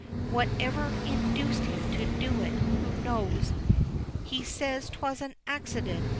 Whatever induced him to do it? Who knows? He says 'twas an accident.